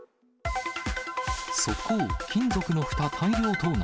側溝、金属のふた大量盗難。